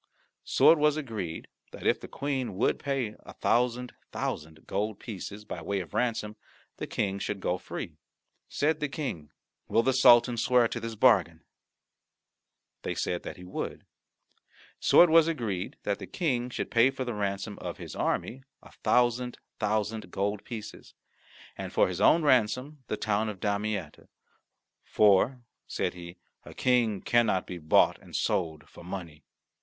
So it was agreed that if the Queen would pay a thousand thousand gold pieces by way of ransom, the King should go free. Said the King, "Will the Sultan swear to this bargain?" They said that he would. So it was agreed that the King should pay for the ransom of his army a thousand thousand gold pieces, and for his own ransom the town of Damietta, "for," said he, "a King cannot be bought and sold for money."